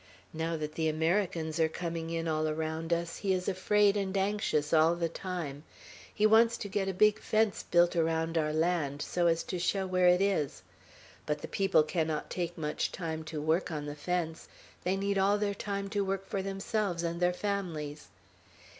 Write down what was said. Now that the Americans are coming in all around us, he is afraid and anxious all the time. He wants to get a big fence built around our land, so as to show where it is; but the people cannot take much time to work on the fence; they need all their time to work for themselves and their families.